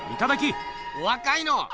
お若いの！